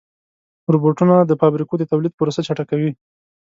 روبوټونه د فابریکو د تولید پروسه چټکه کوي.